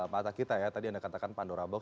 mata kita ya tadi anda katakan pandora box